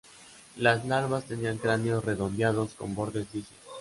Las larvas tenían cráneos redondeados con bordes lisos.